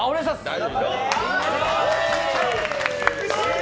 大丈夫。